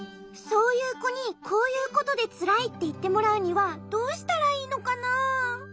そういうこに「こういうことでつらい」っていってもらうにはどうしたらいいのかな？